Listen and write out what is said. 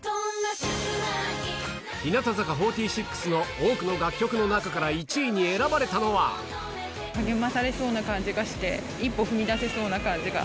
日向坂４６の多くの楽曲の中励まされそうな感じがして、一歩踏み出せそうな感じが。